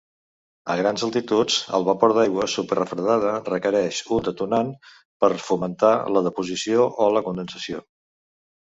A grans altituds, el vapor d'aigua superrefredada requereix un detonant per fomentar la deposició o la condensació.